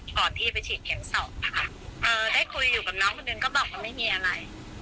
ก่อนที่ไปฉีดเข็มสอบค่ะเอ่อได้คุยอยู่กับน้องคนหนึ่งก็บอกว่าไม่มีอะไร